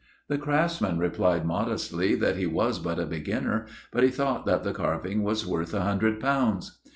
The craftsman replied modestly that 'he was but a beginner, but he thought that the carving was worth a hundred pounds.